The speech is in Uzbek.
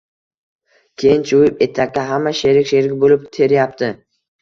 Keyin chuvib etakka… Hamma sherik-sherik boʻlib teryapti.